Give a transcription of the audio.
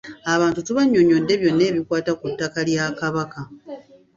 Abantu tubannyonnyodde byonna ebikwata ku ttaka lya Kabaka.